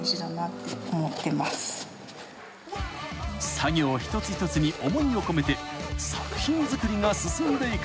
［作業一つ一つに思いを込めて作品作りが進んでいく］